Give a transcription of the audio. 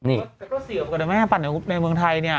เอาให้ปั่นในเมืองไทย